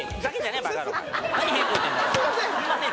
すいません。